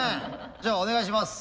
じゃあお願いします。